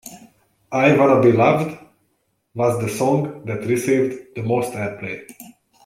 "I Wanna Be Loved" was the song that received the most airplay.